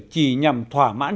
chỉ nhằm thỏa mãn